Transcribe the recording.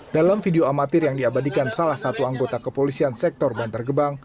dalam video amatir yang diabadikan salah satu anggota kepolisian sektor bantar gebang